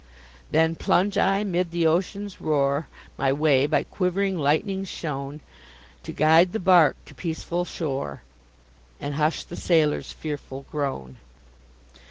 Then, plunge I 'mid the ocean's roar, My way by quiv'ring lightnings shown, To guide the bark to peaceful shore, And hush the sailor's fearful groan.